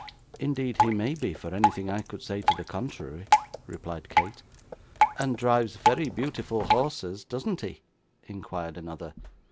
'Indeed he may be, for anything I could say to the contrary,' replied Kate. 'And drives very beautiful horses, doesn't he?' inquired another.